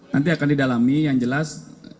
nanti akan didalami yang jelas